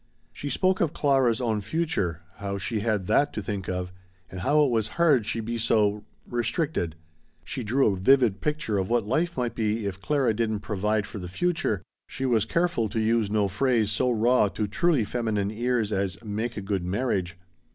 She spoke of Clara's own future, how she had that to think of and how it was hard she be so restricted. She drew a vivid picture of what life might be if Clara didn't "provide for the future" she was careful to use no phrase so raw to truly feminine ears as "make a good marriage."